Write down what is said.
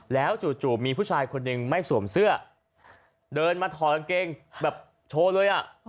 แล้วจู่มีผู้ชายคนหนึ่งไม่สวมเสื้อเดินมาถอดกางเกงแบบโชว์เลยอ่ะ